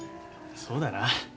そうだな。